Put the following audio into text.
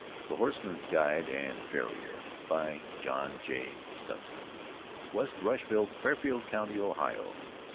THE HORSEMAN'S GUIDE AND FARRIER. BY JOHN J. STUTZMAN, WEST RUSHVILLE, FAIRFIELD COUNTY, OHIO.